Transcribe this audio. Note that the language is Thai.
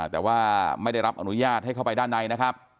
แต่ว่าไม่ได้รับอนุญาตให้เข้าไปด้านในนะครับ